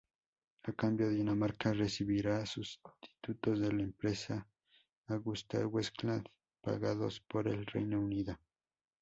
A cambio, Dinamarca recibirá sustitutos de la empresa AgustaWestland, pagados por el Reino Unido.